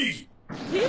えっ？